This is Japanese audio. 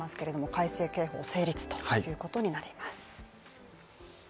改正刑法成立ということになります。